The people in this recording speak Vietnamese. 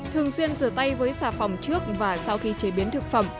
thường xuyên rửa tay với xà phòng trước và sau khi chế biến thực phẩm